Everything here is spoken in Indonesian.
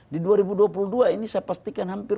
di dua ribu dua puluh dua ini saya pastikan hampir